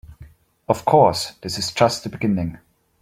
Of course, this is just the beginning.